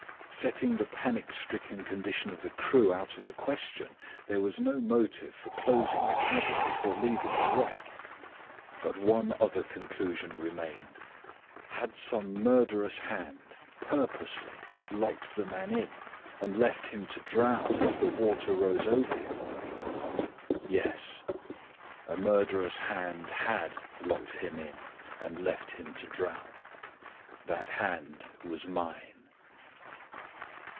Setting the panic stricken condition of the crew out of the question, there was no motive for closing the cabin before leaving the wreck. But one other conclusion remained. Had some murderous hand purposely locked the man in, and left him to drown as the water rose over him? "Yes. A murderous hand had locked him in, and left him to drown. That hand was mine."